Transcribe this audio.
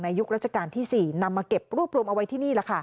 ในยุครัชกาลที่๔นำมาเก็บรูปรวมเอาไว้ที่นี่